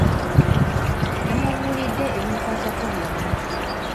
Namubuulidde ebinkwatako byonna.